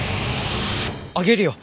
あげるよ。